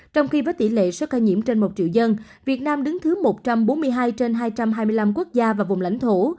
trong khi với tỷ lệ số ca nhiễm trên một triệu dân việt nam đứng thứ một trăm bốn mươi hai trên hai trăm hai mươi năm quốc gia và vùng lãnh thổ